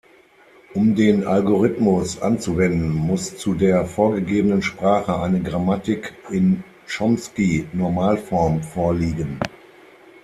Um den Algorithmus anzuwenden, muss zu der vorgegebenen Sprache eine Grammatik in Chomsky-Normalform vorliegen.